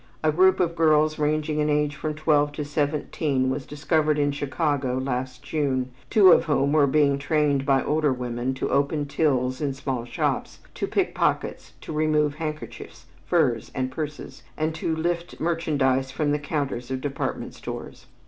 A group of girls ranging in age from twelve to seventeen was discovered in Chicago last June, two of whom were being trained by older women to open tills in small shops, to pick pockets, to remove handkerchiefs, furs and purses and to lift merchandise from the counters of department stores.